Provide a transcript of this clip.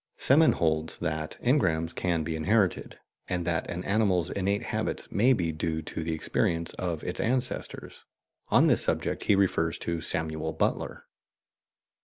Semon holds that engrams can be inherited, and that an animal's innate habits may be due to the experience of its ancestors; on this subject he refers to Samuel Butler.